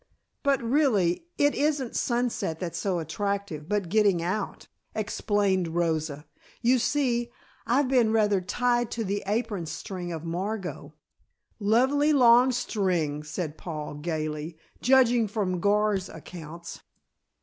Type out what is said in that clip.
"But really it isn't Sunset that's so attractive, but getting out," explained Rosa. "You see, I've been rather tied to the apron string of Margot " "Lovely long string," said Paul gaily, "judging from Gar's accounts."